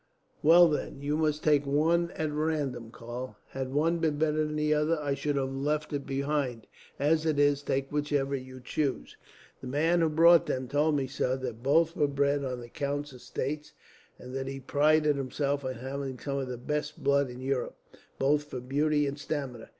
"Well then, you must take one at random, Karl. Had one been better than the other, I should have left it behind. As it is, take whichever you choose." "The man who brought them told me, sir, that both were bred on the count's estates; and that he prided himself on having some of the best blood in Europe, both for beauty and stamina.